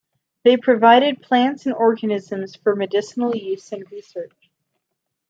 They provided plants and organisms for medicinal use and research.